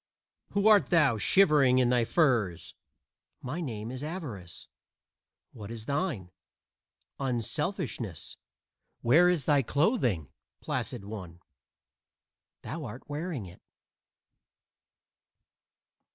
"Who art thou, shivering in thy furs?" "My name is Avarice. What is thine?" "Unselfishness." "Where is thy clothing, placid one?" "Thou art wearing it."